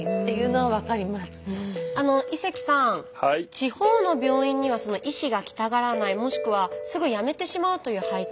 地方の病院には医師が来たがらないもしくはすぐ辞めてしまうという背景